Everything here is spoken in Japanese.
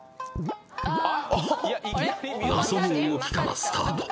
謎の動きからスタート